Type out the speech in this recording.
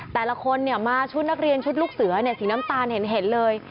แต่ละคนมาชุดนักเรียนชุดลูกเสือสีน้ำตาลเห็นเลย